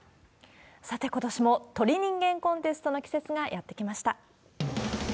さて、ことしも鳥人間コンテストの季節がやって来ました。